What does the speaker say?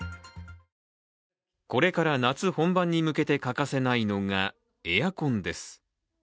これから夏本番に向けて欠かせないのがエアコンです。